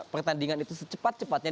pertandingan itu secepat cepatnya